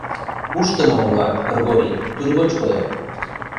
— Ушдымо улат, Кыргорий, тӱргоч коят.